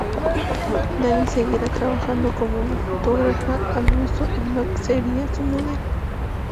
Dani seguiría trabajando como una fotógrafa al uso y Mac sería su modelo.